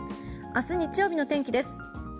明日、日曜日の天気です。